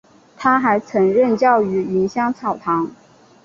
他还曾任教于芸香草堂。